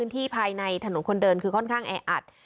ที่ภายในถนนคนเดินคือค่อนข้างแออัด